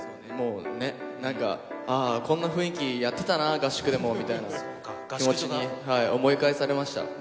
もうね、なんか、ああ、こんな雰囲気やってたな、合宿でもみたいな気持ちに思い返されました。